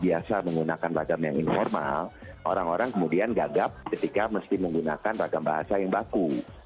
biasa menggunakan ragam yang informal orang orang kemudian gagap ketika mesti menggunakan ragam bahasa yang baku